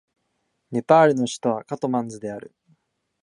ネパールの首都はカトマンズである